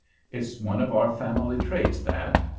It's one of our family traits, that.